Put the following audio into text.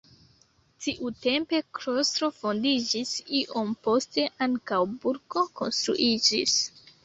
Tiutempe klostro fondiĝis, iom poste ankaŭ burgo konstruiĝis.